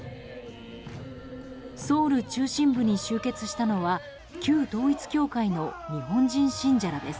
ソウル中心部に集結したのは旧統一教会の日本人信者らです。